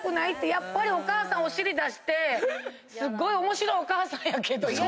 やっぱりお母さんお尻出してすっごい面白いお母さんやけど。